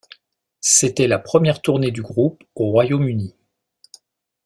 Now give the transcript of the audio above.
C'était la première tournée du groupe au Royaume-Uni.